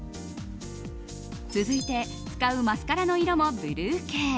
続いて、使うマスカラの色もブルー系。